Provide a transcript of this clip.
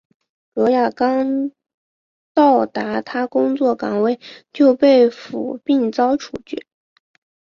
卓娅刚到达她工作岗位就被俘并遭处决。